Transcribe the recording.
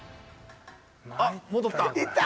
あっ戻った！